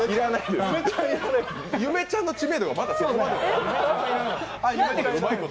ゆめちゃんの知名度が、まだそこまでない。